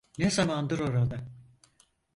Ne zamandır orada?